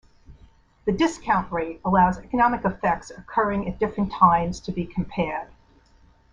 The discount rate allows economic effects occurring at different times to be compared.